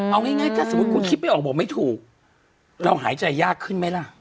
เอาง่ายถ้าสมมุติคุณคิดไม่ออกบอกไม่ถูกเราหายใจยากขึ้นไหมล่ะ